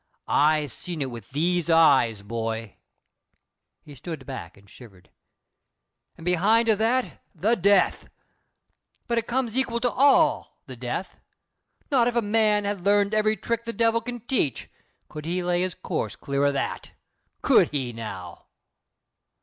I seen it with these eyes, boy" He stood back and shivered. "And behind o' that, the Death! But it comes equal to all, the Death. Not if a man had learned every trick the devil can teach could he lay his course clear o' that. Could he, now?"